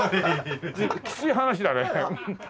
きつい話だね。